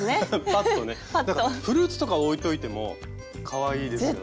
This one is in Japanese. なんかフルーツとか置いといてもかわいいですよね。